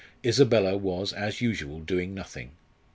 Isabella was, as usual, doing nothing.